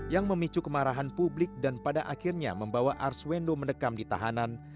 yang memicu kemarahan publik dan pada akhirnya membawa arswendo mendekam di tahanan